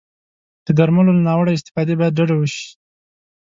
د درملو له ناوړه استفادې باید ډډه وشي.